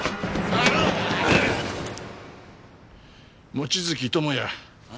「望月友也」。